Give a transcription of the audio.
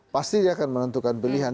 pasti dia akan menentukan pilihan